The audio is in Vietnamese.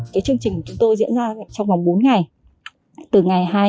cái chương trình của chúng tôi diễn ra trong vòng bốn ngày